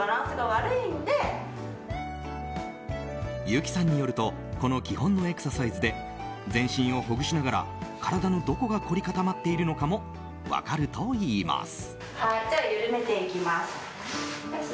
優木さんによるとこの基本のエクササイズで全身をほぐしながら体のどこが凝り固まっているのかも分かるといいます。